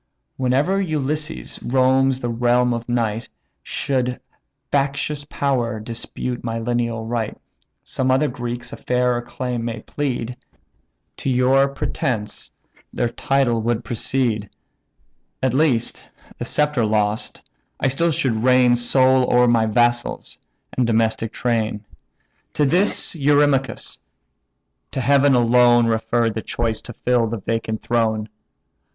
Whene'er Ulysses roams the realm of night, Should factious power dispute my lineal right, Some other Greeks a fairer claim may plead; To your pretence their title would precede. At least, the sceptre lost, I still should reign Sole o'er my vassals, and domestic train." To this Eurymachus: "To Heaven alone Refer the choice to fill the vacant throne.